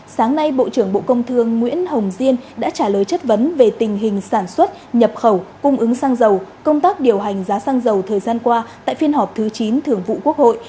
sáng nay bộ trưởng bộ công thương nguyễn hồng diên đã trả lời chất vấn về tình hình sản xuất nhập khẩu cung ứng xăng dầu công tác điều hành giá xăng dầu thời gian qua tại phiên họp thứ chín thường vụ quốc hội